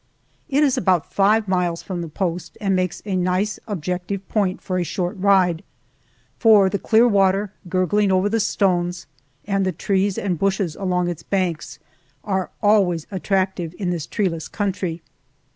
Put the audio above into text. It is about five miles from the post and makes a nice objective point for a short ride, for the clear water gurgling over the stones, and the trees and bushes along its banks, are always attractive in this treeless country.